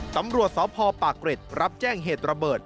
ตำรวจสพปากเกร็ดรับแจ้งเหตุระเบิด